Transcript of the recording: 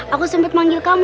aku sempet manggil kamu